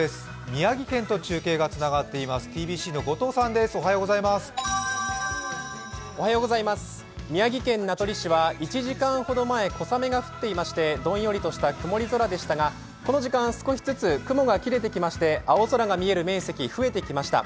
宮城県名取市は１時間ほど前小雨が降っていまして、どんよりとした曇り空でしたがこの時間、少しずつ雲が切れてきまして青空が見える面積、増えてきました。